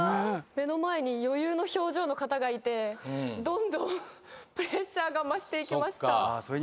目の前に余裕の表情の方がいてどんどんプレッシャーが増していきました。